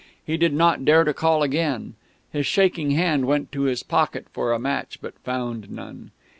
He did not dare to call again. His shaking hand went to his pocket for a match, but found none.